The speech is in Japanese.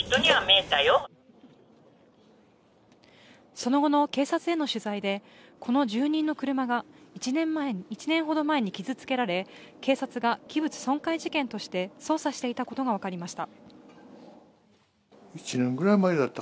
その後の警察への取材で、この住人の車が１年ほど前に傷つけられ警察が器物損壊事件として捜査していたことが分かりました。